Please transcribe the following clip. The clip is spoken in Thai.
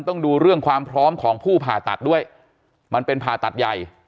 ต้องดูเรื่องความพร้อมของผู้ผ่าตัดด้วยมันเป็นผ่าตัดใหญ่